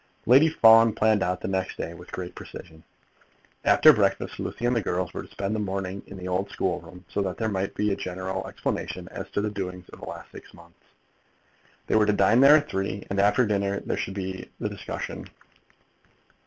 Lady Fawn planned out the next day with great precision. After breakfast, Lucy and the girls were to spend the morning in the old school room, so that there might be a general explanation as to the doings of the last six months. They were to dine at three, and after dinner there should be the discussion.